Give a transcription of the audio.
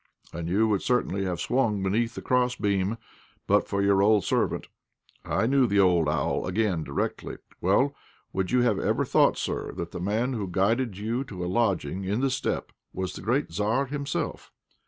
And you would certainly have swung beneath the cross beam but for your old servant. I knew the old owl again directly. Well, would you ever have thought, sir, that the man who guided you to a lodging in the steppe was the great Tzar himself?"